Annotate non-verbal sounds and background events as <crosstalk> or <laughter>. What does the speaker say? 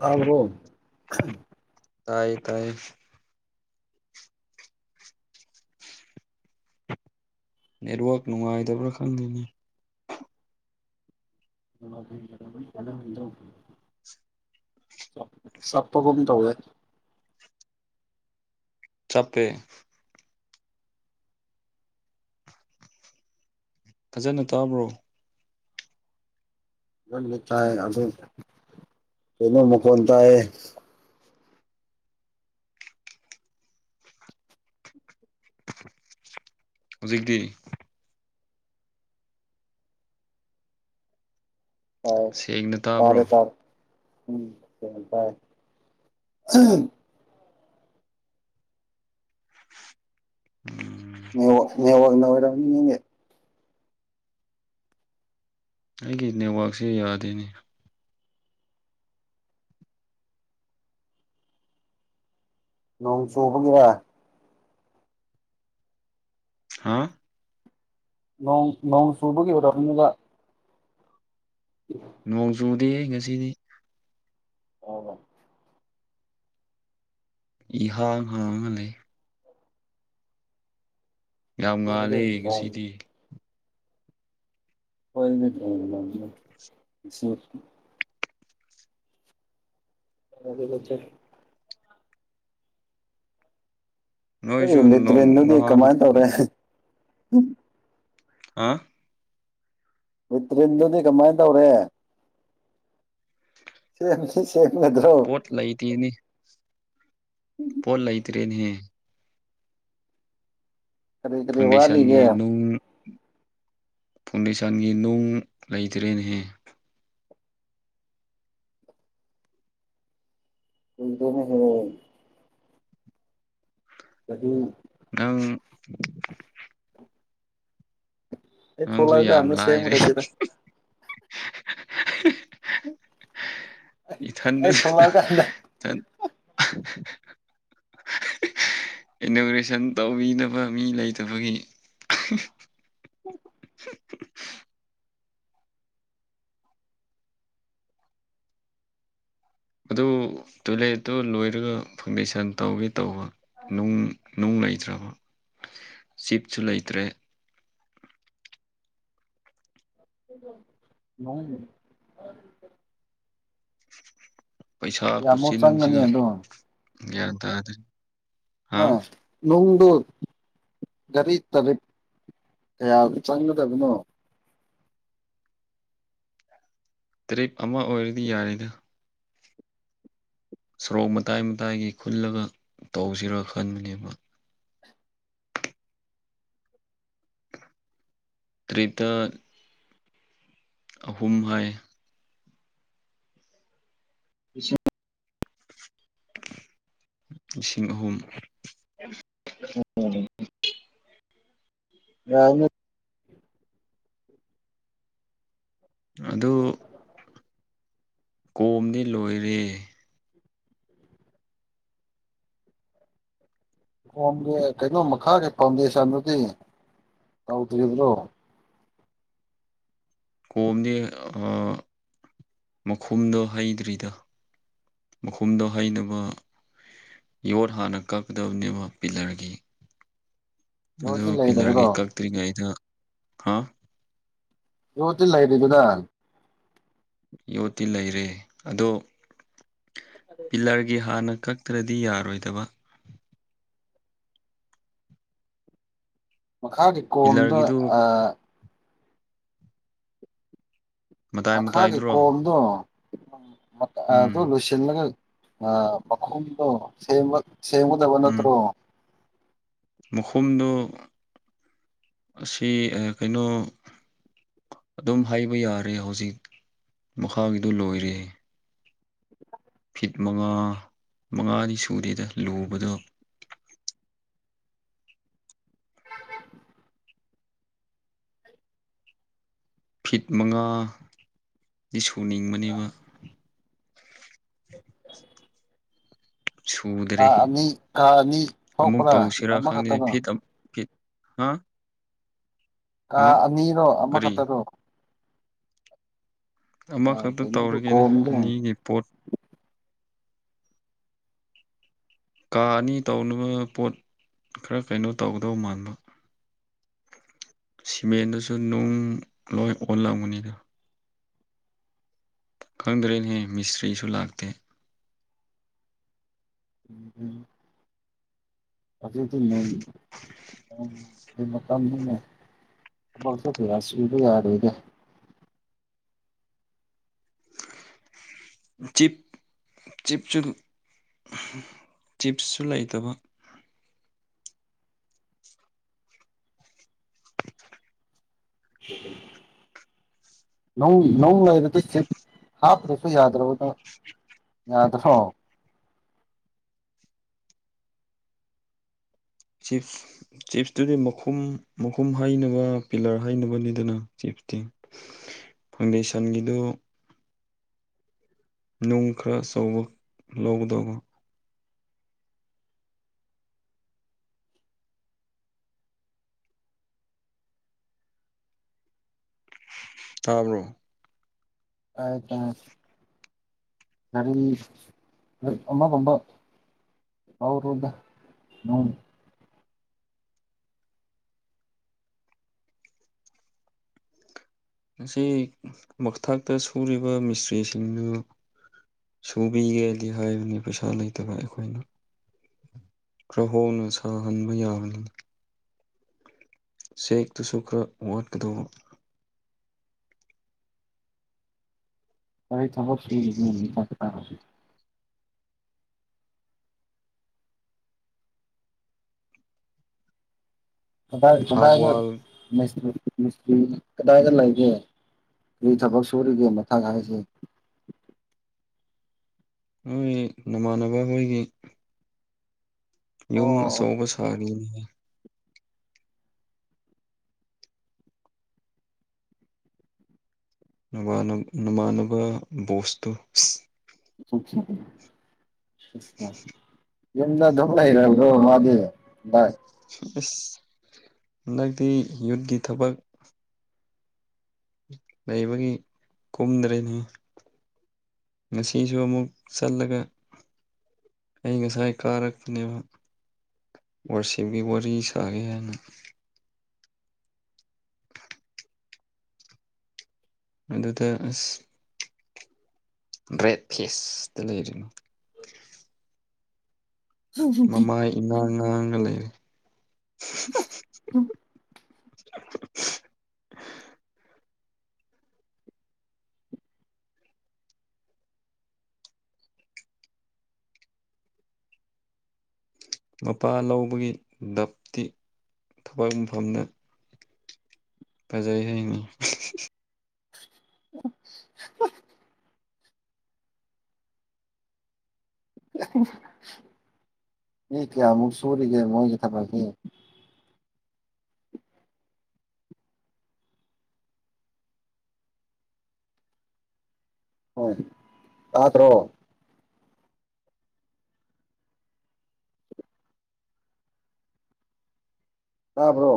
ꯇꯥꯕ꯭ꯔꯣ ꯇꯥꯏꯌꯦ ꯇꯥꯏꯌꯦ ꯅꯦꯠꯋꯛ ꯅꯨꯡꯉꯥꯏꯇꯕ꯭ꯔꯥ ꯈꯪꯗꯦꯅꯦ <inaudible> ꯆꯞ ꯆꯞꯄꯒꯨꯝ ꯇꯧꯋꯦ ꯆꯞꯄꯦ ꯐꯖꯅ ꯇꯥꯕ꯭ꯔꯣ ꯖꯅ ꯇꯥꯏꯌꯦ ꯑꯗꯣ ꯀꯩꯅꯣ ꯃꯈꯣꯟ ꯇꯥꯏꯌꯦ ꯍꯧꯖꯤꯛꯗꯤ ꯇꯥꯏ ꯁꯦꯡꯅ ꯇꯥꯕ꯭ꯔꯣ ꯇꯥꯔꯦ ꯇꯥꯔꯦ ꯎꯝ ꯇꯥꯏ ꯎꯝ ꯅꯦꯠꯋꯥꯛ ꯅꯦꯠꯋꯥꯛꯅ ꯑꯣꯏꯔꯝꯅꯤꯌꯦ ꯑꯩꯒꯤ ꯅꯦꯠꯋꯥꯛꯛꯁꯦ ꯌꯥꯗꯦꯏꯅꯤ ꯅꯣꯡ ꯆꯨꯕꯒꯤꯔ ꯍꯥꯥ ꯅꯣꯡ ꯅꯣꯡ ꯆꯨꯕꯒꯤ ꯑꯣꯏꯔꯝꯅꯤꯕ ꯎ ꯅꯣꯡ ꯆꯨꯗꯦ ꯉꯁꯤꯗꯤ ꯑꯣ ꯏꯍꯥꯡ ꯍꯥꯡꯉ ꯂꯩ ꯌꯥꯝ ꯉꯥꯜꯂꯦ ꯅꯣꯡ ꯉꯁꯤꯗꯤ UNINTELLIGIBLE UNINTELLIGIBLE ꯅꯣꯏꯁꯨ ꯑꯩ ꯅꯇ꯭ꯔꯤꯗꯨꯗꯤ ꯅꯍꯥꯟ ꯀꯃꯥꯏ ꯇꯧꯔꯦ ꯍꯥꯥ ꯅꯇ꯭ꯔꯤꯟꯗꯨꯗꯤ ꯀꯃꯥꯏꯅ ꯇꯧꯔꯦ UNINTELLIGIBLE ꯄꯣꯠ ꯂꯩꯇꯦꯅꯦ ꯄꯣꯠ ꯂꯩꯇꯔꯦꯅꯦ ꯀꯔꯤ ꯀꯔꯤ ꯐꯥꯎꯟꯗꯦꯁꯟꯒꯤ ꯋꯥꯠꯂꯤꯒꯦ ꯅꯨꯡ ꯐꯥꯎꯟꯗꯦꯁꯟꯒꯤ ꯅꯨꯡ ꯂꯩꯇ꯭ꯔꯦꯅꯦꯍꯦ ꯎꯗꯅ ꯍ ꯀꯔꯤ ꯅꯪ ꯑꯩ ꯅꯪꯁꯨ ꯌꯥꯝ ꯊꯣꯛꯂꯛꯑꯀꯥꯟꯗ ꯂꯥꯏꯔꯦ ꯁꯦꯝꯈ꯭ꯔꯁꯤꯗ ꯑꯩ ꯏꯊꯟꯗꯁꯨ ꯊꯣꯛꯂꯛꯑꯀꯥꯟꯗ ꯏꯊꯟ ꯏꯅꯣꯒ꯭ꯔꯦꯁꯟ ꯇꯧꯕꯤꯅꯕ ꯃꯤ ꯂꯩꯇꯕꯒꯤ <unintelligible> ꯑꯗꯨ ꯇꯣꯏꯂꯦꯠꯇꯨ ꯂꯣꯏꯔꯒ ꯐꯪꯗꯦꯁꯟ ꯇꯧꯒꯦ ꯇꯧꯕ ꯅꯨꯡ ꯅꯨꯡ ꯂꯩꯇ꯭ꯔꯕ ꯆꯦꯛꯁꯨ ꯂꯩꯇ꯭ꯔꯦ ꯑꯣ ꯄꯩꯁꯥ ꯌꯥꯝꯃꯨꯛ ꯆꯪꯒꯅꯤ ꯈꯨꯠꯆꯤꯟꯁꯤꯒ ꯑꯗꯣ ꯒ꯭ꯌꯥꯟ ꯇꯥꯗ꯭ꯔꯦ ꯍꯥ ꯑꯥ ꯅꯨꯡꯗꯨ ꯒꯥꯔꯤ ꯇꯔꯤꯛ ꯀꯌꯥꯗ ꯆꯪꯒꯗꯕꯅꯣ ꯇꯔꯤꯞ ꯑꯃ ꯑꯣꯏꯔꯗꯤ ꯌꯥꯔꯦꯗ ꯁꯣꯔꯣꯛ ꯃꯇꯥꯏ ꯃꯇꯥꯏꯒꯤ ꯈꯨꯜꯂꯒ ꯇꯧꯁꯤꯔꯥ ꯈꯟꯕꯅꯦꯕ ꯇ꯭ꯔꯤꯠꯇ ꯑꯍꯨꯝ ꯍꯥꯏ ꯂꯤꯁꯤꯡ ꯂꯤꯁꯤꯡ ꯑꯍꯨꯝ ꯑꯣ ꯌꯥꯏꯅꯦ ꯑꯗꯨ ꯀꯣꯝꯗꯤ ꯂꯣꯏꯔꯦ ꯀꯣꯝꯗꯤ ꯀꯩꯅꯣꯝ ꯃꯈꯥꯒꯤ ꯐꯥꯎꯟꯗꯦꯁꯟꯗꯨꯗꯤ ꯇꯧꯗ꯭ꯔꯤꯕ꯭ꯔꯣ ꯀꯣꯝꯗꯤ ꯃꯈꯨꯝꯗꯣ ꯍꯩꯗ꯭ꯔꯤꯗ ꯃꯈꯨꯝꯗꯣ ꯍꯩꯅꯕ ꯌꯣꯠ ꯍꯥꯟꯅ ꯀꯛꯀꯗꯕꯅꯦꯕ ꯄꯤꯂꯔꯒꯤ꯫ ꯑꯗꯨ ꯌꯣꯠꯇꯤ ꯄꯤꯂꯔꯒꯤ ꯂꯩꯔꯕ꯭ꯔꯣ ꯀꯛꯇ꯭ꯔꯤꯉꯩꯗ ꯍꯥ ꯌꯣꯠꯇꯤ ꯂꯩꯔꯤꯕꯔꯥ꯫ ꯌꯣꯠꯇꯤ ꯂꯩꯔꯦ ꯑꯗꯣ꯫ <inaudible> ꯄꯤꯂꯔꯒꯤ ꯍꯥꯟꯅ ꯀꯛꯇ꯭ꯔꯗꯤ ꯌꯥꯔꯣꯏꯗꯕ꯫ ꯃꯈꯥꯒꯤ ꯀꯣꯝꯗꯣ ꯄꯤꯂꯔꯒꯤꯗꯨ ꯑꯥ꯫ ꯃꯇꯥꯏ ꯃꯈꯥꯒꯤ ꯃꯇꯥꯏꯗꯨꯔꯣ ꯀꯣꯝꯗꯣ꯫ ꯑꯗꯨ ꯎꯝ ꯂꯣꯏꯁꯤꯜꯂꯒ ꯑ ꯃꯈꯣꯡꯗꯣ ꯁꯦꯝꯕ꯫ ꯁꯦꯝꯒꯗꯕ ꯅꯠꯇꯔꯣ꯫ ꯃꯈꯨꯝꯗꯣ ꯑꯁꯤ ꯑ ꯀꯩꯅꯣ꯫ ꯑꯗꯨꯝ ꯍꯩꯕ ꯌꯥꯔꯦ ꯍꯧꯖꯤꯛ ꯃꯈꯥꯒꯤꯗꯨ ꯂꯣꯏꯔꯦ꯫ ꯐꯤꯠ ꯃꯉꯥ ꯃꯉꯥꯗꯤ ꯁꯨꯗꯦꯗ ꯂꯨꯕꯗꯣ꯫ <inaudible> ꯐꯤꯠ ꯃꯉꯥ꯫ ꯇꯤꯁꯨꯅꯤꯡꯕꯅꯦꯕ꯫ ꯀꯥ ꯁꯨꯗ꯭ꯔꯦ ꯑꯅꯤ ꯀꯥ ꯑꯅꯤ ꯑꯃꯨꯛ ꯊꯣꯛꯄ꯭ꯔꯥ ꯇꯧꯁꯤꯔꯥ ꯈꯪꯗꯔꯦ ꯑꯃꯈꯛꯇꯔꯣ ꯐꯤꯠ ꯑ ꯐꯤꯠ꯫ ꯍꯥ꯫ ꯀꯥ ꯍꯥ ꯑꯅꯤꯔꯣ ꯀꯔꯤ ꯑꯃꯈꯛꯇꯔꯣ꯫ ꯑꯥ ꯑꯃꯈꯛꯇ ꯀꯩꯅꯣꯗꯣ ꯇꯧꯔꯒꯦꯗ ꯀꯣꯝꯗꯦ ꯑꯅꯤꯒꯤ ꯄꯣꯠ ꯀꯥ ꯑꯅꯤ ꯇꯧꯅꯕ ꯄꯣꯠ ꯈꯔ ꯀꯩꯅꯣ ꯇꯧꯒꯗꯧꯕ ꯃꯥꯟꯕ꯫ ꯁꯤꯃꯦꯟꯗꯨꯁꯨ ꯅꯨꯡ ꯂꯣꯏ ꯑꯣꯜꯂꯝꯒꯅꯤꯗ꯫ ꯈꯪꯗ꯭ꯔꯦꯅꯦꯍꯦ ꯃꯤꯁꯇ꯭ꯔꯤꯁꯨ ꯂꯥꯛꯇꯦ꯫ ꯎꯝ ꯫ ꯍꯧꯖꯤꯛꯇꯤ ꯅꯣꯡꯒꯤ <unintelligible> ꯐꯪꯅꯤꯅꯦ ꯊꯕꯛꯁꯨ ꯀꯌꯥ ꯁꯨꯕꯥꯌꯗꯔꯤꯗ꯫ ꯆꯤꯞ꯫ ꯆꯤꯞꯁꯨ ꯆꯤꯞꯁꯁꯨ ꯂꯩꯇꯕ꯫ <inaudible> ꯅꯧ ꯅꯧ ꯂꯩꯔꯗꯤ ꯆꯤꯞ ꯍꯥꯞꯇ꯭ꯔꯁꯨ ꯌꯥꯗ꯭ꯔꯕꯗꯣ ꯌꯥꯗ꯭ꯔꯣ ꯆꯤꯞꯁ꯫ ꯆꯤꯞꯁꯇꯨꯗꯤ ꯃꯈꯨꯝ ꯃꯈꯨꯝ ꯍꯩꯅꯕ ꯄꯤꯂꯔ ꯍꯩꯅꯕꯅꯤꯗꯅ ꯆꯤꯞꯁꯇꯤ꯫ ꯐꯥꯎꯟꯗꯦꯁꯟꯒꯤꯗꯨ꯫ ꯅꯨꯡ ꯈꯔ ꯑꯆꯧꯕ ꯂꯧꯒꯗꯧꯕ꯫ ꯇꯥꯕ꯭ꯔꯣ꯫ ꯇꯥꯏꯌꯦ ꯇꯥꯏꯌꯦ ꯒꯥꯔꯤ ꯑꯃ ꯒꯨꯝꯕꯥ꯫ ꯂꯧꯔꯣꯗ ꯅꯨꯡ꯫ ꯉꯁꯤ ꯃꯊꯥꯛꯇ ꯁꯨꯔꯤꯕ ꯃꯤꯁꯇ꯭ꯔꯤꯁꯤꯡꯗꯨ꯫ ꯁꯨꯕꯤꯒꯦꯗꯤ ꯍꯥꯏꯕꯅꯤ ꯄꯩꯁꯥ ꯂꯩꯇꯕ ꯑꯩꯈꯣꯏꯅ꯫ ꯈ꯭ꯔꯍꯣꯡꯅ ꯁꯥꯍꯟꯕ ꯌꯥꯕꯅꯦ ꯥꯆꯦꯛꯇꯨꯁꯨ ꯈꯔ ꯋꯥꯠꯀꯗꯧꯕ꯫ ꯑꯩ ꯊꯕꯛꯁꯤ ꯃꯤ <unintelligible> ꯀꯗꯥꯏ ꯀꯗꯥꯏꯗ ꯍꯥꯞꯋꯥꯜ ꯃꯤꯁꯇ꯭ꯔꯤ ꯃꯤꯁꯇ꯭ꯔꯤ ꯀꯗꯥꯏꯗ ꯂꯩꯒꯦ ꯀꯔꯤ ꯊꯕꯛ ꯁꯨꯔꯤꯒꯦ ꯃꯊꯛ ꯍꯥꯏꯁꯦ꯫ ꯅꯣꯏ ꯅꯃꯥꯟꯅꯕ ꯍꯣꯏꯒꯤ꯫ ꯌꯨꯝ ꯑꯣ ꯑꯆꯧꯕ ꯁꯥꯔꯤꯅꯤꯗ ꯅꯕꯥꯟꯅ ꯅꯃꯥꯟꯅꯕ ꯕꯣꯁꯇꯨ <unintelligible> ꯌꯨꯝꯗ ꯑꯗꯨꯝ ꯂꯩꯔꯕ꯭ꯔꯣ ꯃꯥꯗꯤ ꯕꯥꯏ ꯑꯁ <unintelligible> ꯍꯟꯗꯛꯇꯤ ꯌꯨꯠꯀꯤ ꯊꯕꯛ ꯂꯩꯕꯒꯤ ꯀꯨꯝꯗ꯭ꯔꯦꯅꯦ ꯉꯁꯤꯁꯨ ꯑꯃꯨꯛ ꯆꯠꯂꯒ ꯑꯩ ꯉꯁꯥꯏ ꯀꯥꯔꯛꯄꯅꯦꯕ ꯋꯥꯁꯤꯞꯒꯤ ꯋꯥꯔꯤ ꯁꯥꯒꯦ ꯍꯥꯏꯅ ꯑꯗꯨꯗ ꯑꯁ ꯕ꯭ꯔꯦꯠ ꯐꯤꯁꯇ ꯂꯩꯔꯤꯝ ꯃꯃꯥꯢ ꯏꯉꯥꯡ ꯉꯥꯡꯉ ꯂꯩꯔꯦ <unintelligible> ꯃꯄꯥ ꯂꯧꯕꯒꯤ ꯗꯞꯇꯤ ꯊꯕꯛ ꯃꯐꯝꯗ ꯐꯖꯩ ꯍꯥꯏꯅꯤ <unintelligible> <unintelligible> <unintelligible> ꯃꯤ ꯀ꯭ꯌꯥꯃꯨꯛ ꯁꯨꯔꯤꯒꯦ ꯃꯣꯏꯒꯤ ꯊꯕꯥꯛꯇꯤ <unintelligible> ꯇꯥꯗ꯭ꯔꯣ ꯇꯥꯕ꯭ꯔꯣ